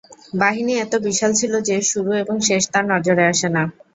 বাহিনী এত বিশাল ছিল যে, শুরু এবং শেষ তার নজরে আসে না।